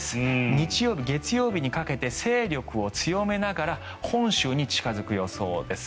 日曜日、月曜日にかけて勢力を強めながら本州に近付く予想です。